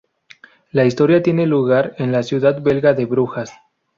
La historia tiene lugar en la ciudad belga de Brujas.